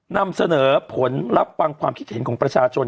นำเสนอผลรับฟังความคิดเห็นของประชาชน